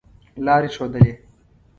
لاري ښودلې.